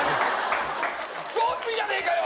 ゾンビじゃねえかよ！